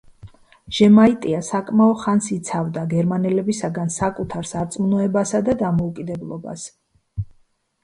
ჟემაიტია საკმაო ხანს იცავდა გერმანელებისგან საკუთარ სარწმუნოებასა და დამოუკიდებლობას.